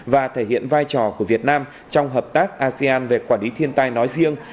và thể hiện vai trò của việt nam trong hợp tác asean về quản lý thiên tai nói riêng